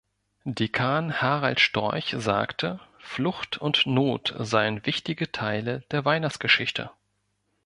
Dekan Harald Storch sagte, Flucht und Not seien wichtige Teile der Weihnachtsgeschichte.